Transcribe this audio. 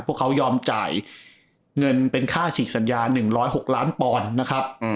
พวกเขายอมจ่ายเงินเป็นค่าฉีกสัญญา๑๐๖ล้านปอนด์นะครับ